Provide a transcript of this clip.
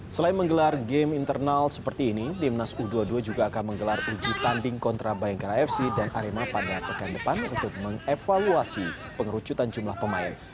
selain menggelar game internal seperti ini timnas u dua puluh dua juga akan menggelar uji tanding kontra bayangkara fc dan arema pada pekan depan untuk mengevaluasi pengerucutan jumlah pemain